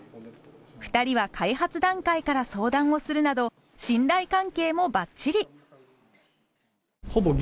２人は開発段階から相談をするなど信頼関係もばっちり。